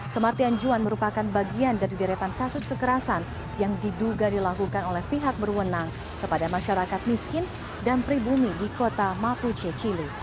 kematian juan merupakan bagian dari deretan kasus kekerasan yang diduga dilakukan oleh pihak berwenang kepada masyarakat miskin dan pribumi di kota mapuche cili